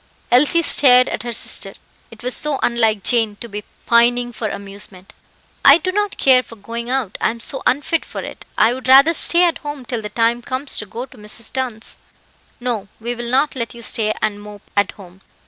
Elsie stared at her sister; it was so unlike Jane to be pining for amusement. "I do not care for going out, I am so unfit for it. I would rather stay at home till the time comes to go to Mrs Dunn's." "No, we will not let you stay and mope at home.